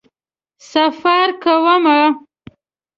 سفر کومه